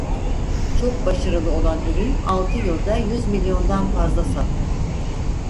Çok başarılı olan ürün altı yılda yüz milyondan fazla sattı.